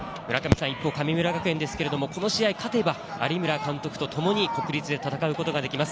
一方、神村学園はこの試合勝てば、有村監督とともに国立で戦うことができます。